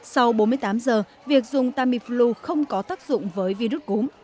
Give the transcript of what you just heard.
sau bốn mươi tám giờ việc dùng tamiflu không có tác dụng với virus cúm